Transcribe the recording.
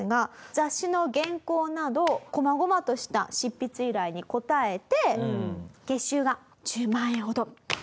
雑誌の原稿など細々とした執筆依頼に応えて月収が１０万円ほど。